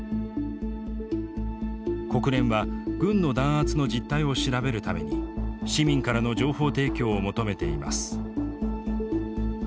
国連は軍の弾圧の実態を調べるために市民からの情報提供を求めています。